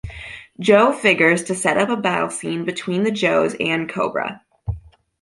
Joe figures to set up a battle scene between the Joes and Cobra.